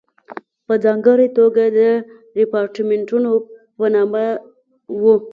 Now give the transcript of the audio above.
په ځانګړې توګه د ریپارټیمنټو په نامه وو.